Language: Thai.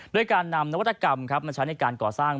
ด้วยการนำนวัตกรรมมาใช้ในการก่อสร้าง